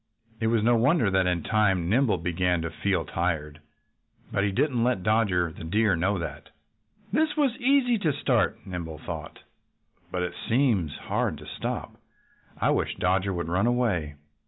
It was no wonder that in time Nimble began to feel tired. But he didn't let Dodger the Deer know that. "This was easy to start," Nimble thought, "but it seems hard to stop. I wish Dodger would run away."